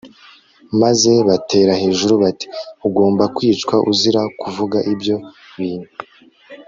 maze batera hejuru bati ugomba kwicwa uzira kuvuga ibyo bintu